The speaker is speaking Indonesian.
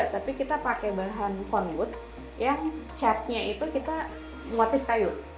tapi kita pakai bahan conwood yang chatnya itu kita motif kayu